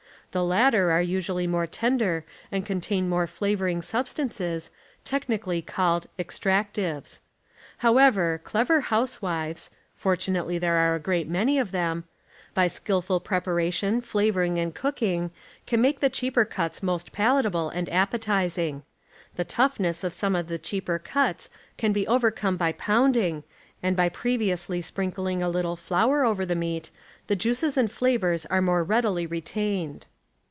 The latter Cheaper are usually more tender and contain more fiavormg ,. substances, teehniealh' called "extraetiv es". How ot meat .• ever, clever housewives — fortunately there are a great many of them — by skillful preparation, flavoring and cook ing can make the cheaper cuts most palatable and appetizing. The toughness of some of the cheaper cuts can be overcome by pounding, antl by previously sprinkling a little flour over the meat the juices and fla\'ors are more readily retained.